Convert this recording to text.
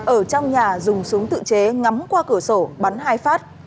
ở trong nhà dùng súng tự chế ngắm qua cửa sổ bắn hai phát